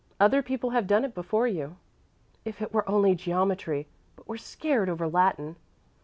"Other people have done it before you." "If it were only geometry but we're scared over Latin."